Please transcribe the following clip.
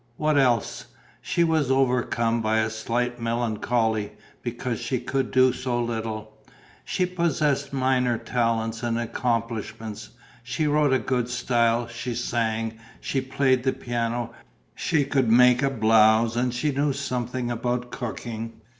What else? She was overcome by a slight melancholy, because she could do so little. She possessed minor talents and accomplishments: she wrote a good style, she sang, she played the piano, she could make a blouse and she knew something about cooking.